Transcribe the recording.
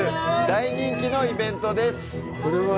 大人気のイベントです。